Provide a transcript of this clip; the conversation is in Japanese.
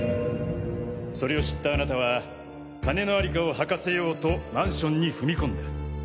それを知ったあなたは金のありかを吐かせようとマンションに踏み込んだ。